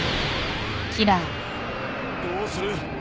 どうする？